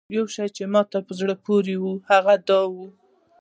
یو شی چې ماته په زړه پورې و هغه دا دی.